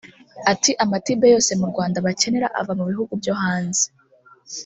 Ati“ Amatibe yose mu Rwanda bakenera ava mu bihugu byo hanze